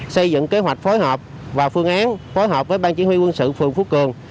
xây dựng kế hoạch phối hợp và phương án phối hợp với ban chỉ huy quân sự phường phú cường